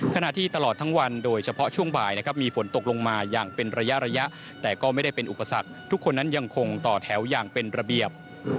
ขณะที่ตลอดทั้งวันโดยเฉพาะช่วงบ่ายนะครับมีฝนตกลงมาอย่างเป็นระยะระยะแต่ก็ไม่ได้เป็นอุปสรรคทุกคนนั้นยังคงต่อแถวอย่างเป็นระเบียบ